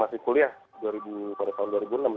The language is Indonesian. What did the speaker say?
masih kuliah pada tahun dua ribu enam